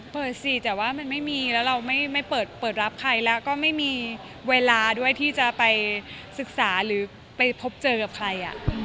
สิแต่ว่ามันไม่มีแล้วเราไม่เปิดรับใครแล้วก็ไม่มีเวลาด้วยที่จะไปศึกษาหรือไปพบเจอกับใคร